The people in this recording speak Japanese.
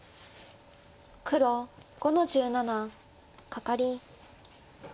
黒５の十七カカリ。